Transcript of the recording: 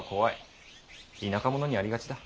田舎者にありがちだ。